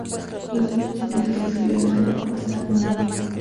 Los dos artículos que describen el trabajo están online.